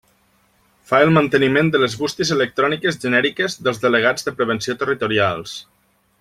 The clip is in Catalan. Fa el manteniment de les bústies electròniques genèriques dels delegats de prevenció territorials.